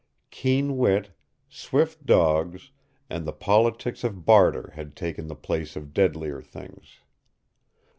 Keen wit, swift dogs, and the politics of barter had taken the place of deadlier things.